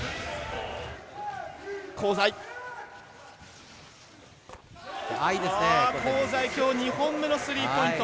香西、きょう２本目のスリーポイント。